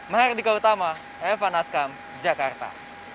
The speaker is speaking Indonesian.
mahardika utama evan askam jakarta